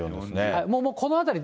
もうこの辺り、